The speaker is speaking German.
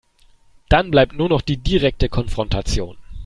Dann bleibt nur noch die direkte Konfrontation.